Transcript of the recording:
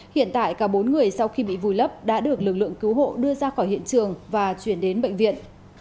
hiện tại cả bốn người sau khi bị vùi lấp đã được lực lượng cứu hộ đưa ra khỏi hiện trường và chuyển đến bệnh viện